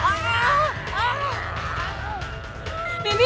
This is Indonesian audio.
oh charles cadangkan